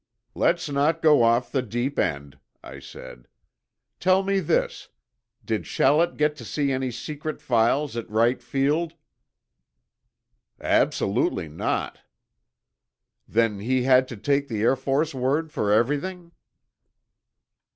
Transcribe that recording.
"Let's not go off the deep end," I said. "Tell me this: Did Shallett get to see any secret files at Wright Field?" "Absolutely not." "Then he had to take the Air Force word for everything?"